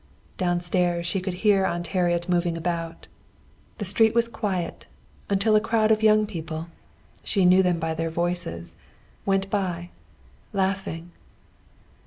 Downstairs she could hear Aunt Harriet moving about. The street was quiet, until a crowd of young people she knew them by their voices went by, laughing.